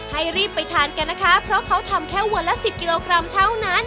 ให้รีบไปทานกันนะคะเพราะเขาทำแค่วันละสิบกิโลกรัมเท่านั้น